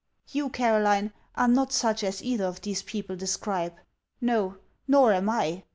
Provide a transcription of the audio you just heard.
You, Caroline, are not such as either of these people describe. No: nor am I.